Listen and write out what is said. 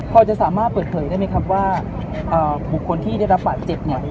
พอจะสามารถเปิดเผยได้ไหมครับว่าบุคคลที่ได้รับบาดเจ็บเนี่ย